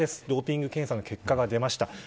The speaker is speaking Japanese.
ドーピング検査の結果が出ました。